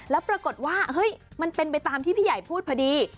แล้วปรากฏว่าเฮ้ยมันเป็นไปตามที่พี่ใหญ่พูดพอดี